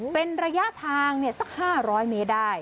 เป็นระยะทางสัก๕๐๐เมตรได้